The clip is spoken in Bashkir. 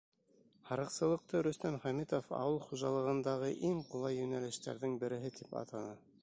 Һарыҡсылыҡты Рөстәм Хәмитов ауыл хужалығындағы иң ҡулай йүнәлештәрҙең береһе тип атаны.